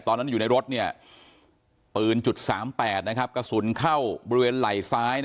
ตอนนั้นอยู่ในรถปืน๓๘กระสุนเข้าบริเวณไหล่ซ้าย